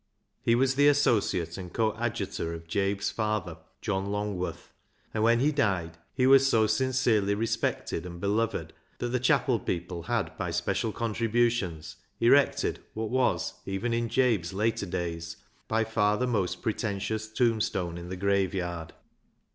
He was the associate and coadjutor of Jabe's father, John Longworth, and when he died he was so sincerely respected and beloved that the chapel people had by special contributions erected what was even in Jabe's later days by far the most pretentious tombstone in the graveyard.